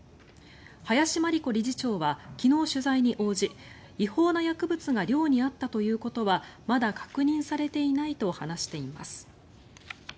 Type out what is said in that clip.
林真理子理事長は昨日、取材に応じ違法な薬物が寮にあったということはまだ確認されていないと話しています。